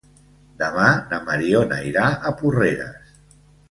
Demà na Mariona irà a Porreres.